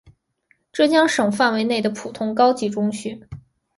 浙江省范围内的普通高级中学。